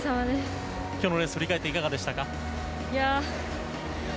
今日のレース振り返っていかがですか。